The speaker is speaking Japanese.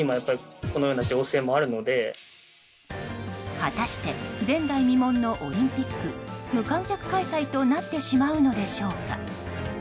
果たして前代未聞のオリンピック無観客開催となってしまうのでしょうか。